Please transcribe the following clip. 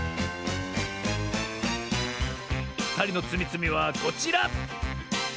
ふたりのつみつみはこちら！